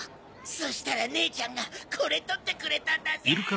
そしたらねえちゃんがこれ取ってくれたんだぜ！